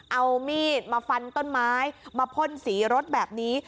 เอามีดมาฟันต้นไม้มาพ่นสีรถแบบนี้